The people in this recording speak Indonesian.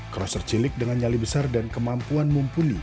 kroser cilik dengan nyali besar dan kemampuan mumpuni